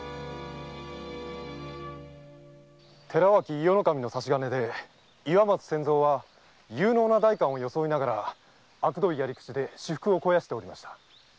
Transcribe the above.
寺脇伊予守の差し金で岩松千蔵は有能な代官を装いあくどいやり口で私腹を肥やしておりました。